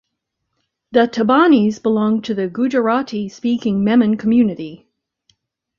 The Tabanis belong to the Gujarati-speaking Memon community.